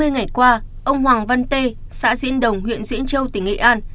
hai mươi ngày qua ông hoàng văn tê xã diễn đồng huyện diễn châu tỉnh nghệ an